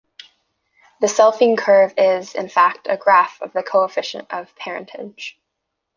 The selfing curve is, in fact, a graph of the "coefficient of parentage".